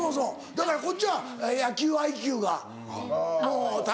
だからこっちは野球ＩＱがもうたぶん。